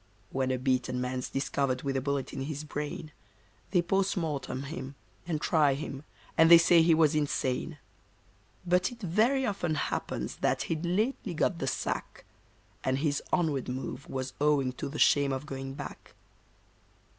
When a beaten man's discovered with a bullet in his brain, They POST MORTEM him, and try him, and they say he was insane; But it very often happens that he'd lately got the sack, And his onward move was owing to the shame of going back.